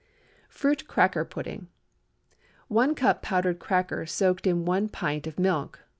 FRUIT CRACKER PUDDING. 1 cup powdered cracker soaked in one pint of milk.